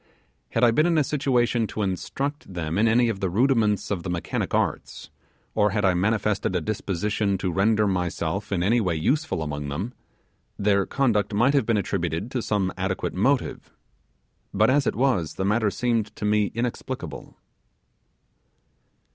Had I been in a situation to instruct them in any of the rudiments of the mechanic arts, or had I manifested a disposition to render myself in any way useful among them, their conduct might have been attributed to some adequate motive, but as it was, the matter seemed to me inexplicable.